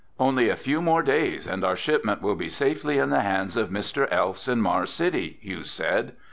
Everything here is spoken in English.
"Only a few more days and our shipment will be safely in the hands of Mr. Elfs in Mars City," Hugh said.